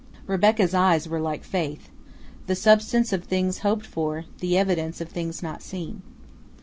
Rebecca's eyes were like faith, "the substance of things hoped for, the evidence of things not seen."